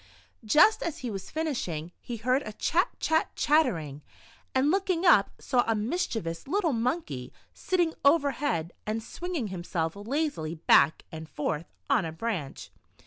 Just as he was finishing, he heard a "chat, chat, chattering," and looking up saw a mischiev ous little monkey sitting overhead, and swinging himself lazily back and forth on a branch.